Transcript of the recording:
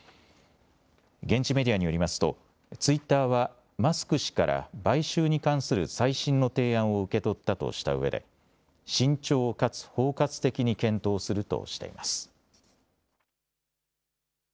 現地メディアによりますと、ツイッターはマスク氏から買収に関する最新の提案を受け取ったとしたうえで慎重かつ包括的に検討するとしています。